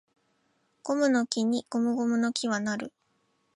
ゴムの木にゴムゴムの木は成る